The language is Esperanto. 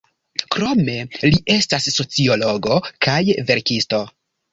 Krome li estas sociologo kaj verkisto.